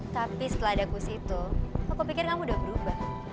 tapi setelah ada aku situ aku pikir kamu udah berubah